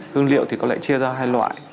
hương liệu thì có lẽ chia ra hai loại